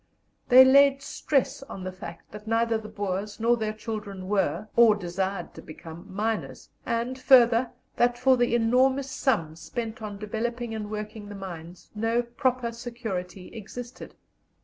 They laid stress on the fact that neither the Boers nor their children were, or desired to become, miners, and, further, that for the enormous sums spent on developing and working the mines no proper security existed.